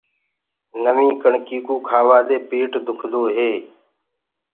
نوينٚ ڪڻڪي ڪوُ کآوآ دي پيٽ دُکدو هي۔